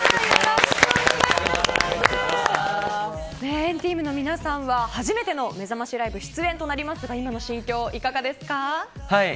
＆ＴＥＡＭの皆さんは初めてのめざましライブ出演となりますが今の心境いかがですか。